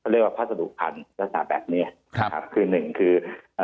รัฐศาสตร์แบบเนี้ยครับคือหนึ่งคืออ่า